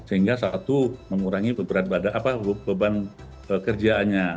sehingga satu mengurangi beban kerjaannya